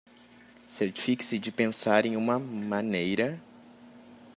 Certifique-se de pensar em uma maneira